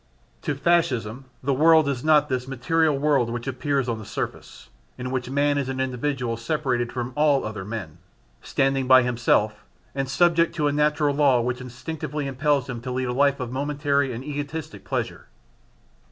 To Fascism the world is not this material world which appears on the surface, in which man is an individual separated from all other men, standing by himself and subject to a natural law which instinctively impels him to lead a life of momentary and egoistic pleasure.